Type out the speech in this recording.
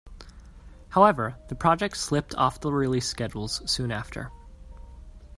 However, the project slipped off the release schedules soon after.